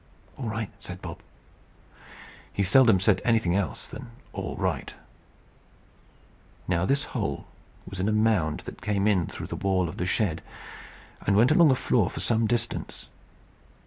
"All right," said Bob. He seldom said anything else than All right. Now this hole was in a mound that came in through the wall of the shed, and went along the floor for some distance.